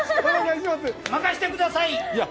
任せてください。